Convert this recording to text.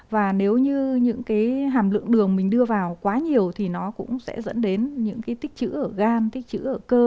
và nếu như những cái hàm lượng đường mình đưa vào quá nhiều thì nó cũng sẽ dẫn đến những cái tích chữ ở gam tích chữ ở cơ